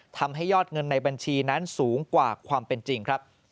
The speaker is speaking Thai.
ทำให้ยอดเงินในบัญชีนั้นสูงกว่าความเป็นจริงครับ